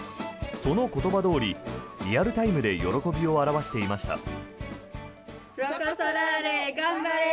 その言葉どおり、リアルタイムで喜びを表していました。